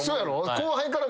後輩からも。